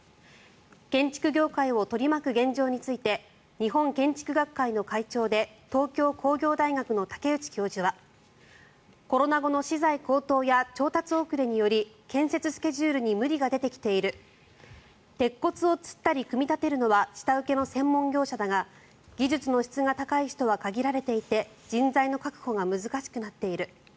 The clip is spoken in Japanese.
建設業界を取り巻く現状について日本建築学会の会長で東京工業大学の竹内教授はコロナ後の資材高騰や調達遅れにより建設スケジュールに無理が出てきている鉄骨をつったり組み立てるのは下請けの専門業者だが技術の質が高い人は限られていて人材の確保が難しくなっている。